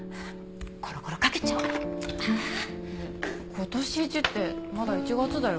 今年一ってまだ１月だよ。